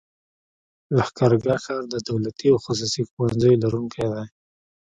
لښکرګاه ښار د دولتي او خصوصي ښوونځيو لرونکی دی.